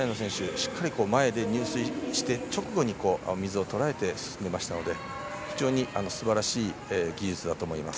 しっかり前で入水して直後に水をとらえて進んでいたので非常にすばらしい技術だと思います。